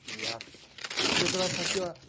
それから先は長い。